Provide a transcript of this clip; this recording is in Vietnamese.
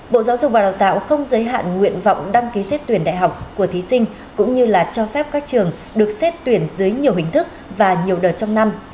bộ giáo dục và đào tạo không giới hạn nguyện vọng đăng ký xét tuyển đại học của thí sinh cũng như là cho phép các trường được xét tuyển dưới nhiều hình thức và nhiều đợt trong năm